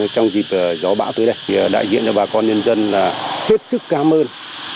trong dịp gió bão tới đây đại diện cho bà con nhân dân là thiết sức cám ơn